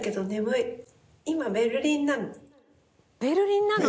ベルリンなの？